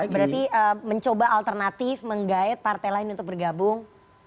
berarti mencoba alternatif menggait partai lain untuk bergabung